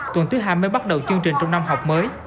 tuần thứ hai mới bắt đầu chương trình trong năm học mới